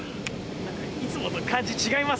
何かいつもと感じ違いますね。